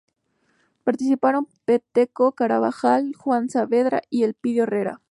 Participaron Peteco Carabajal, Juan Saavedra y Elpidio Herrera.